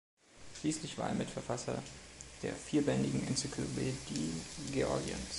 Schließlich war er Mitverfasser der vierbändigen „Enzyklopädie Georgiens“.